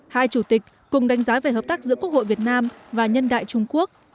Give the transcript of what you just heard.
hai chủ tịch cùng đánh giá về hợp tác giữa quốc hội việt nam và nhân đại trung quốc